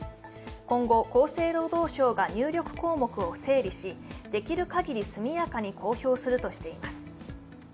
今後、厚生労働省が入力項目を整理し、できる限り速やかに公表するとしています。